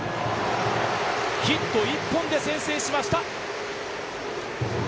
ヒット１本で先制しました。